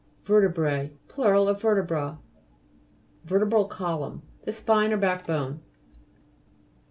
VE'RTEBRA Plur. of vertebra. VE'RTEBRAL COLUMN The spine or back bone.